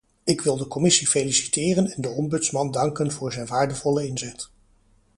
Ik wil de commissie feliciteren en de ombudsman danken voor zijn waardevolle inzet.